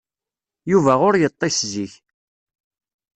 Yuba ur yeṭṭis zik.